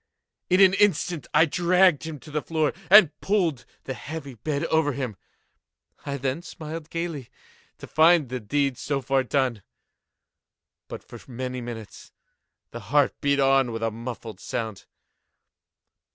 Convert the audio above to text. In an instant I dragged him to the floor, and pulled the heavy bed over him. I then smiled gaily, to find the deed so far done. But, for many minutes, the heart beat on with a muffled sound.